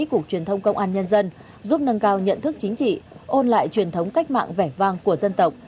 cục truyền thông công an nhân dân giúp nâng cao nhận thức chính trị ôn lại truyền thống cách mạng vẻ vang của dân tộc